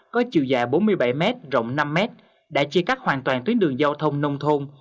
có chiều dài bốn mươi bảy m rộng năm m đã chia cắt hoàn toàn tuyến đường giao thông nông thôn